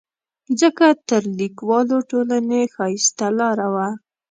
ځکه تر لیکوالو ټولنې ښایسته لاره وه.